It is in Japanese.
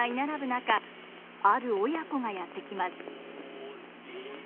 中ある親子がやって来ます。